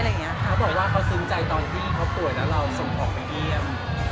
เขาบอกว่าเขาซึ้งใจตอนที่เขาป่วยแล้วเราส่งออกไปเยี่ยม